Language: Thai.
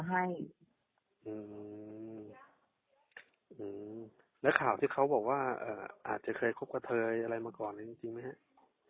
หืมักข่าวที่เขาบอกว่าอ่าจะเคยคบกับเธออะไรมาก่อนเลยจริงไหมฮะ